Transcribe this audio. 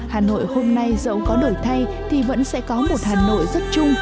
hà nội hôm nay dẫu có đổi thay thì vẫn sẽ có một hà nội rất chung